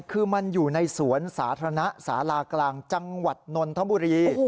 คือมันอยู่ในสวนสาธารณะสาลากลางจังหวัดนนทบุรี